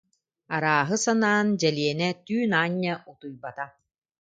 Арааһы санаан Дьэлиэнэ түүн аанньа утуйбата